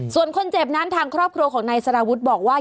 ส่วนคนเจ็บนั้นทางครอบครัวของนายสารวุฒิบอกว่า